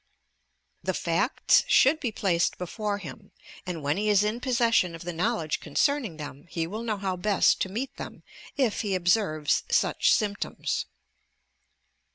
The facts should be placed before him and when he is in possession of the knowledge concerning them, he will know how best to meet them, if he observes such symptoms.